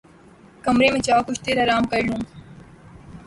کمرے میں جاؤ کچھ دیر آرام کر لوں لو